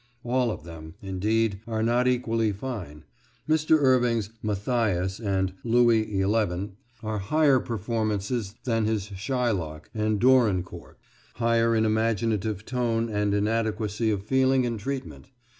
All of them, indeed, are not equally fine. Mr. Irving's 'Mathias' and 'Louis XI,' are higher performances than his 'Shylock' and 'Dorincourt,' higher in imaginative tone and in adequacy of feeling and treatment.